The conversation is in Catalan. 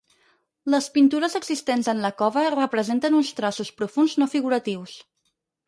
Les pintures existents en la cova representen uns traços profunds no figuratius.